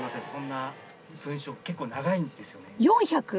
そんな文章結構長いんですよね。